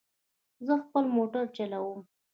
زه خپل موټر چلوم